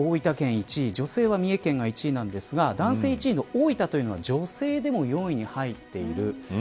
１位女性は三重県が１位ですが男性１位の大分が女性でも４位に入っている。